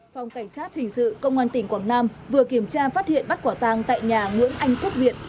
phòng cảnh sát hình sự công an tỉnh quảng nam vừa kiểm tra phát hiện bắt quả tàng tại nhà nguyễn anh quốc viện